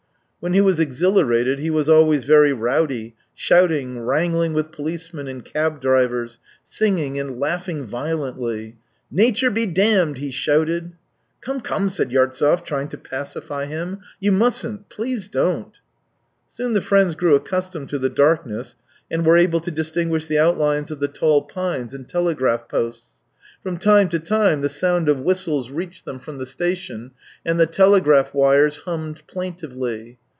When he was exhilarated he was always very rowdy, shouting, wrangling with policemen and cab drivers, singing, and laughing violently. " Nature be damned," he shouted. " Come, come," said Yartsev, trying to pacify him. " You mustn't. Please don't." Soon the friends grew accustomed to the dark ness, and were able to distinguish the outlines of the tall pines and telegraph posts. From time to time the sound of whistles reached them from the THREE YEARS 279 station and the telegraph wires hummed plain tively.